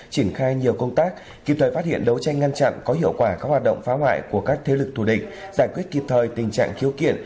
triển khai nhiều công tác kịp thời phát hiện đấu tranh ngăn chặn có hiệu quả các hoạt động phá hoại của các thế lực thù địch giải quyết kịp thời tình trạng khiếu kiện